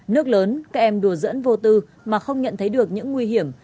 nước lớn các em đùa dẫn vô tư mà không nhận thấy được những nguy hiểm